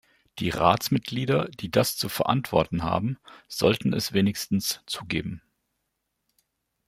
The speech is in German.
Die Ratsmitglieder, die das zu verantworten haben, sollten es wenigstens zugeben!